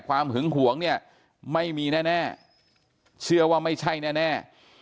หึงหวงเนี่ยไม่มีแน่เชื่อว่าไม่ใช่แน่